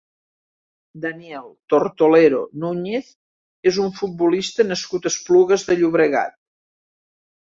Daniel Tortolero Núñez és un futbolista nascut a Esplugues de Llobregat.